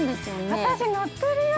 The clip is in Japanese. ◆私乗ってるよ。